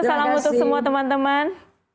salam untuk semua teman teman